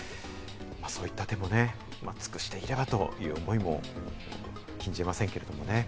そういった手もね、尽くしていればという思いも禁じ得ませんけれどもね。